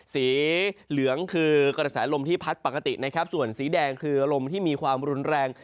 สีเหลืองคือกระแสลมที่พัดปกตินะครับส่วนสีแดงคือลมที่มีความรุนแรง